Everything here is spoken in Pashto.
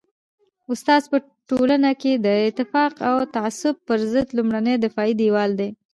استاد په ټولنه کي د نفاق او تعصب پر ضد لومړنی دفاعي دیوال دی.